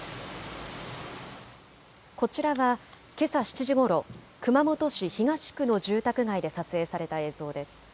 こちらはけさ７時ごろ、熊本市東区の住宅街で撮影された映像です。